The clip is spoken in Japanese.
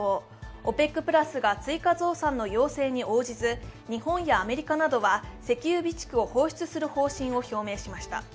ＯＰＥＣプラスが追加増産の要請に応じず日本やアメリカなどは石油備蓄を放出する方針を表明しました。